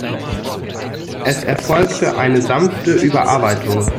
Es erfolgte eine „sanfte“ Überarbeitung.